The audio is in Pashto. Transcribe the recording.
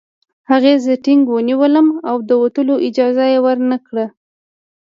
هغې زه ټینګ ونیولم او د وتلو اجازه یې ورنکړه